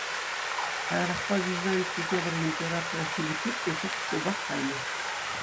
Каярахпа Византи тепӗр императорӗ Филиппик те ҫак ҫулпах кайнӑ.